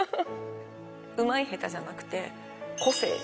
うまい下手じゃなくて、個性。